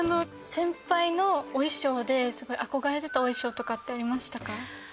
先輩のお衣装ですごい憧れてたお衣装とかってありましたか？